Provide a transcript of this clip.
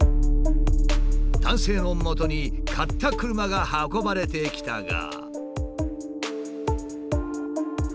男性のもとに買った車が運ばれてきたが。